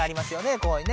こういうね。